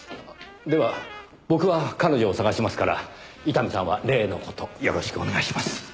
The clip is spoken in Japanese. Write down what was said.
では僕は彼女を捜しますから伊丹さんは例の事よろしくお願いします。